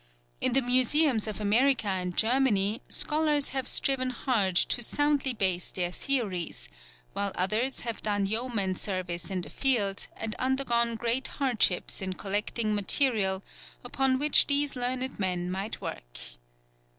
In the museums of America and Germany scholars have striven hard to soundly base their theories; while others have done yeoman service in the field, and undergone great hardships in collecting material upon which these learned men might work.